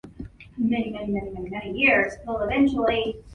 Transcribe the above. Woodson was the only team from Virginia to make it to the semifinal round.